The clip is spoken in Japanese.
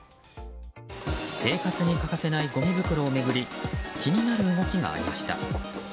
生活に欠かせないごみ袋を巡り気になる動きがありました。